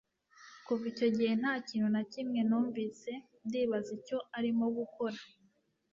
Kuva icyo gihe nta kintu na kimwe numvise Ndibaza icyo arimo gukora